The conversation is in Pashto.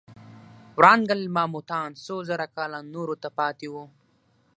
ورانګل ماموتان څو زره کاله نورو ته پاتې وو.